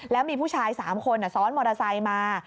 แล้วมีผู้ชาย๓คนซ้อนมอเตอร์ไซค์มา